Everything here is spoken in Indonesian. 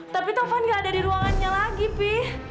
tapi tovan nggak ada di ruangannya lagi pi